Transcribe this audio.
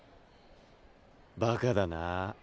バカだなぁ。